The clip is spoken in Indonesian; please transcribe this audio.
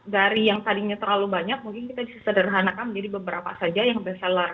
dari yang tadinya terlalu banyak mungkin kita bisa sederhanakan menjadi beberapa saja yang beseller